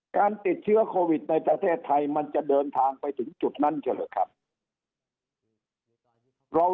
การติดเชื้อโควิดในประเทศไทยมันจะเดินทางไปถึงจุดนั้นเฉลอครับ